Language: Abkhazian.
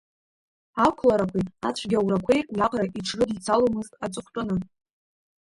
Ақәларақәеи ацәгьаурақәеи уиаҟара иҽрыдицаломызт аҵыхәтәаны.